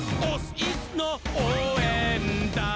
イスのおうえんだん！」